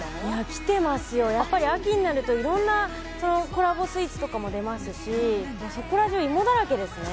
きてますよ、秋になるといろんなコラボスイーツも出ますし、そこら中芋だらけですね。